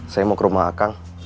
saya mau ke rumah akang